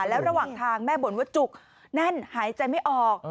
แล้วระหว่างทางแม่บ่นว่าจุกแน่นหายใจไม่ออก